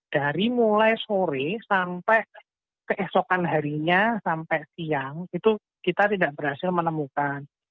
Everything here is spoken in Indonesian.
dari mulai sore sampai keesokan harinya sampai siang itu kita tidak berhasil menemukan